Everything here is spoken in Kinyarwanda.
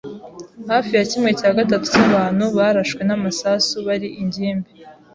Hafi ya kimwe cya gatatu cy’abantu barashwe n’amasasu bari ingimbi.